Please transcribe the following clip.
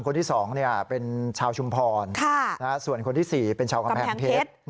คนที่สองเนี่ยเป็นชาวชุมพรค่ะส่วนคนที่สี่เป็นชาวกำแพงเพชร